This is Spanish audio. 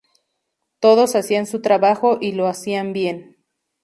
Todos hacían su trabajo y lo hacían bien.